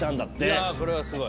いやこれはすごい。